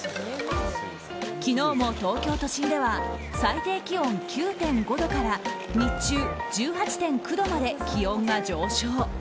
昨日も東京都心では最低気温９．５度から日中、１８．９度まで気温が上昇。